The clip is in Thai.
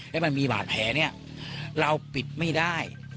แล้วมันมีบาดแผลเนี่ยเราปิดไม่ได้